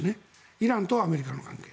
イランとアメリカの関係。